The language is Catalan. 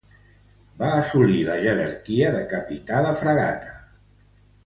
Va assolir la jerarquia de Capità de Fragata.